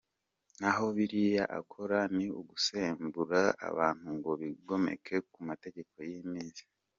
Naho biriya akora ni ugusembura abantu ngo bigomeke ku mategeko y’Imsns.